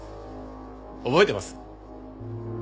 覚えてます？